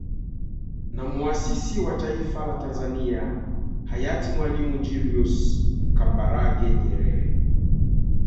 Na muasisi wa taifa la Tanzania Hayati Mwalimu Julius Kambarage Nyerere